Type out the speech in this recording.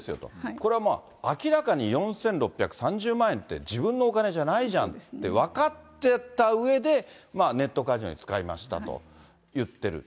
これはまあ、明らかに４６３０万円って自分のお金じゃないじゃんって分かってたうえでネットカジノに使いましたと言ってる。